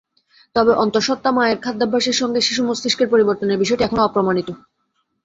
তবে অন্তঃসত্ত্বা মায়ের খাদ্যাভ্যাসের সঙ্গে শিশুর মস্তিষ্কের পরিবর্তনের বিষয়টি এখনো অপ্রমাণিত।